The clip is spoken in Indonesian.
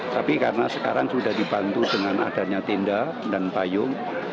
tapi karena sekarang sudah dibantu dengan adanya tenda dan payung